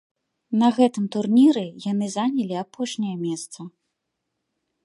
На гэтым турніры яны занялі апошняя месца.